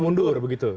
baru mundur begitu